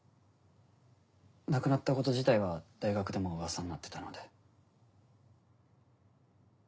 亡くなったこと自体は大学でも噂になってたので。